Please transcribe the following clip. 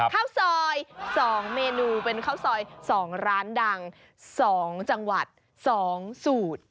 ข้าวซอย๒เมนูเป็นข้าวซอย๒ร้านดัง๒จังหวัด๒สูตร